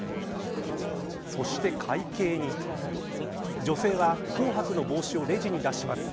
そして会計に女性は紅白の帽子をレジに出します。